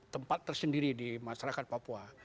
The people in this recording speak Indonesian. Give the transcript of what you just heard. tempat tersendiri di masyarakat papua